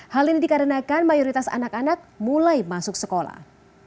hal ini dikarenakan mayoritas anak anak mulai masuk sekolah